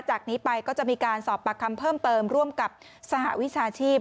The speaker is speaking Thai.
จากนี้ไปก็จะมีการสอบปากคำเพิ่มเติมร่วมกับสหวิชาชีพ